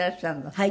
はい。